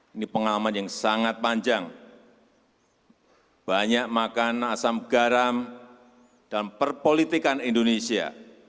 ini pengalaman yang sangat panjang banyak makan asam garam dan perpolitikan indonesia